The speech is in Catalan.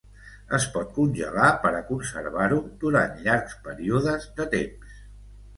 Es pot congelar per a conservar-ho durant llargs períodes de temps.